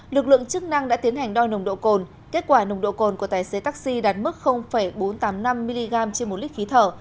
lực lượng chức năng đã tiến hành đo nồng độ cồn kết quả nồng độ cồn của tài xế taxi đạt mức bốn trăm tám mươi năm mg trên một lít khí thở